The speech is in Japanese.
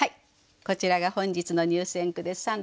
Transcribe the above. こちらが本日の入選句です。